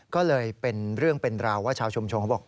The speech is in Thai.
ก็เลยเป็นเรื่องเป็นราวว่าชาวชุมชนเขาบอก